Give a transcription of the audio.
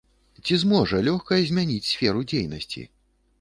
Ці зможа лёгка змяніць сферу дзейнасці?